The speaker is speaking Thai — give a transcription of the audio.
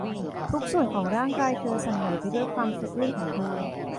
ทุกส่วนของร่างกายเธอสั่นไหวไปด้วยความสะอื้นของเธอ